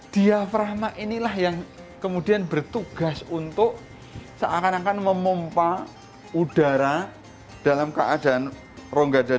diafrahma inilah yang kemudian bertugas untuk seakan akan memumpah udara dalam keadaan rongga dada